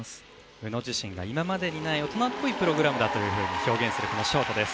宇野自身が今までにない大人っぽいプログラムだと表現するショートです。